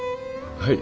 はい。